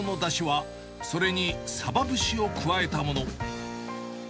温かい汁用のだしは、それにさば節を加えたもの。